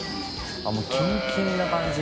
△もうキンキンな感じ？